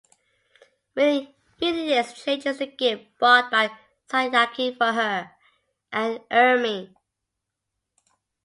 Rini exchanges the gift bought by Satyaki for her and Urmi.